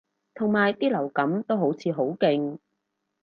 同埋啲流感都好似好勁